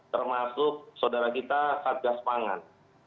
termasuk saudara kita satgas pangan